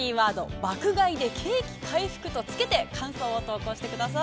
「爆買いで景気回復」とつけて感想を投稿してください！